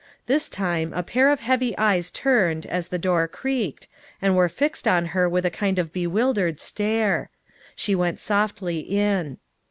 This time a pair of heavy eyes turned, as the door creaked, and were fixed on her with a kind of bewildered stare. She went softly in.